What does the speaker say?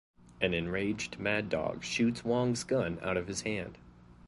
An enraged Mad Dog shoots Wong's gun out of his hand.